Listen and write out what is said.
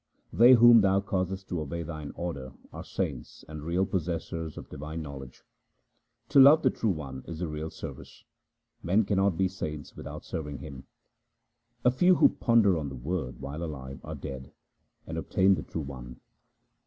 They whom Thou causest to obey Thine order, are saints and real possessors of divine knowledge. To love the True One is the real service ; men cannot be saints without serving Him. A few who ponder on the Word while alive are dead, and obtain the True One.